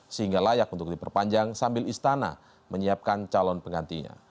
sehingga layak untuk diperpanjang sambil istana menyiapkan calon penggantinya